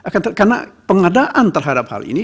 karena pengadaan terhadap hal ini